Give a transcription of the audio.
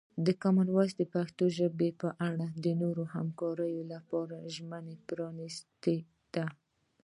د کامن وایس پښتو په اړه د نورو همکاریو لپاره زمینه پرانیستې ده.